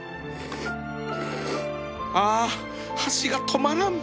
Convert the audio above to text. あ箸が止まらん